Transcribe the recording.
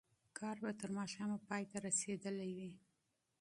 کار به تر ماښامه ختم شوی وي.